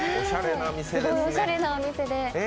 おしゃれなお店で。